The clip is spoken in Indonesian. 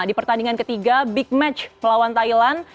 di pertandingan ketiga big match melawan thailand